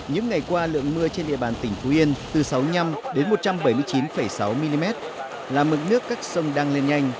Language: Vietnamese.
những ngày qua lượng mưa trên địa bàn tỉnh phú yên từ sáu mươi năm một trăm bảy mươi chín sáu mm là mực nước các sông đang lên nhanh